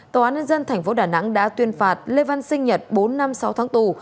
tòa nhân dân tp đà nẵng đã tuyên phạt lê văn sinh nhật bốn năm sau tháng tù